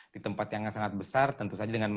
di tempat yang sangat besar tentu saja dengan